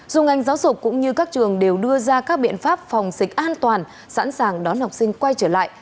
dù ngành giáo dục cũng như các trường đều đưa ra các biện pháp phòng dịch an toàn sẵn sàng đón học sinh quay trở lại